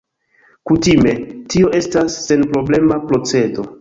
Kutime, tio estas senproblema procedo.